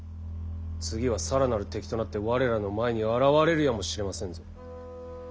次は更なる敵となって我らの前に現れるやもしれませんぞ。